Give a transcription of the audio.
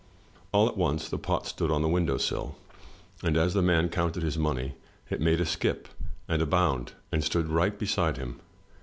All at once the pot stood on the window sill, and as the man coimted his money, it made a skip and a bound and stood right beside him.